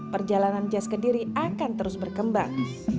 perjalanan jazz kediri akan terus berkembang